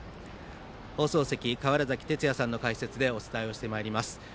放送席、川原崎哲也さんの解説でお伝えしていきます。